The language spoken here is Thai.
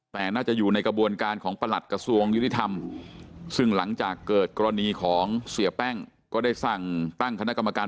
แต่น่าจะอยู่ในกระบวนการของประหลัดกระทรวงยุติธรรมซึ่งหลังจากเกิดกรณีของเสียแป้งก็ได้สั่งตั้งคณะกรรมการ